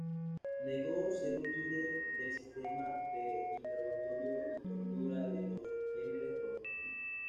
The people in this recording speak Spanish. Negó ser un líder del sistema de interrogatorio y tortura de los Jemeres Rojos.